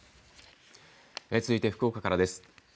続いて福岡からです。